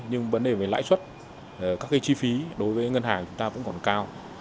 nhưng vấn đề về lãi xuất các chi phí đối với ngân hàng chúng ta cũng còn cao